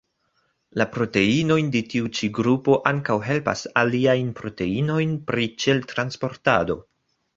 La proteinoj de tiu ĉi grupo ankaŭ helpas aliajn proteinojn pri ĉel-transportado.